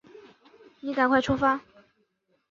你赶快出发